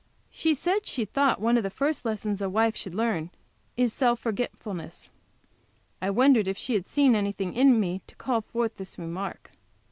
She said she thought one of the first lessons a wife should learn is self forgetfulness. I wondered if she had seen anything in me to call forth this remark.